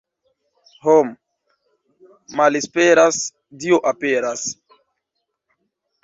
Hom' malesperas, Dio aperas.